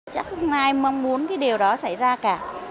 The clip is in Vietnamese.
chắc không ai mong muốn cái điều đó xảy ra cả